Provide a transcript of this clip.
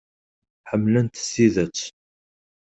Ḥemmlen-t s tidet.